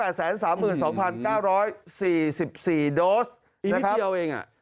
อีกนิดเดียวเองอ่ะ